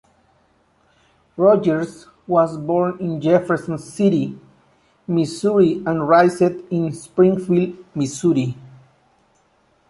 Rogers was born in Jefferson City, Missouri and raised in Springfield, Missouri.